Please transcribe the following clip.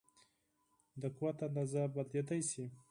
د قوت اندازه بدلېدای شي.